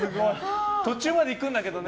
途中までいくんだけどね。